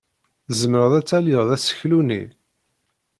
Tzemreḍ ad talyeḍ aseklu-nni?